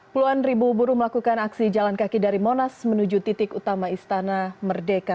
puluhan ribu buruh melakukan aksi jalan kaki dari monas menuju titik utama istana merdeka